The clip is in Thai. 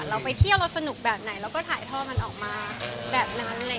เราไปเที่ยวเราสนุกแบบไหนแล้วก็ถ่ายท่อมันออกมาแบบนั้นอะไรอย่างนี้ค่ะ